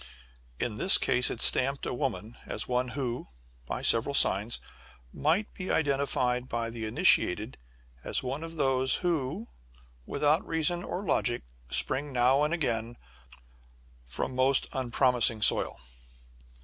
In this case it stamped a woman as one who by several signs might be identified by the initiated as one of those, who, without reason or logic, spring now and again from most unpromising soil!